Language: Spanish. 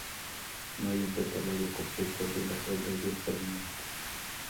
No hay un catálogo completo de las obras de Dowland.